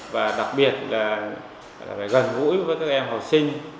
và đặc biệt là gần gũi với các em học sinh